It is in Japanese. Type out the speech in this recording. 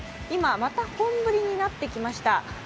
今また本降りになってきました。